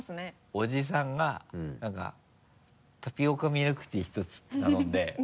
おじさんが「タピオカミルクティー１つ」って頼んで。